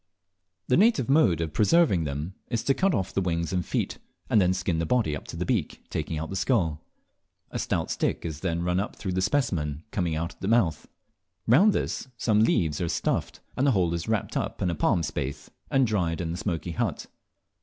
The native mode of preserving them is to cut off the wings and feet, and then skin the body up to the beak, taking out the skull. A stout stick is then run up through the specimen coming out at the mouth. Round this some leaves are stuffed, and the whole is wrapped up in a palm spathe and dried in the smoky hut.